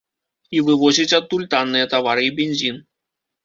І вывозіць адтуль танныя тавары і бензін.